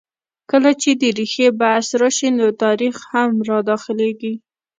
کله چې د ریښې بحث راځي؛ نو تاریخ هم را دا خلېږي.